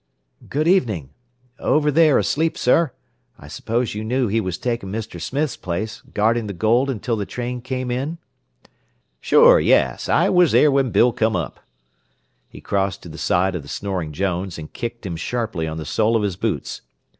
"Good evening. Over there, asleep, sir. I suppose you knew he was taking Mr. Smith's place, guarding the gold until the train came in?" "Sure, yes. I was there when Bill come up." He crossed to the side of the snoring Jones, and kicked him sharply on the sole of his boots.